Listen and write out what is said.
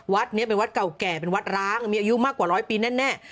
วัดนี้เป็นวัดเก่าแก่เป็นวัดร้างมีอายุมากกว่าร้อยปีแน่